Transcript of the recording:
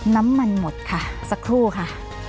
น้ำมันหมดค่ะสักครู่ค่ะ